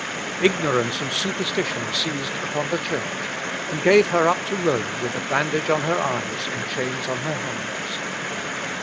Ignorance and superstition seized upon the Church, and gave her up to Rome with a bandage on her eyes, and chains on her hands.